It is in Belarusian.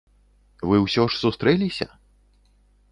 Вы ўсё ж сустрэліся?